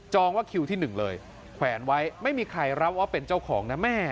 ว่าคิวที่๑เลยแขวนไว้ไม่มีใครรับว่าเป็นเจ้าของนะแม่